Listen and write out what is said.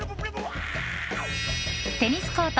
テニスコート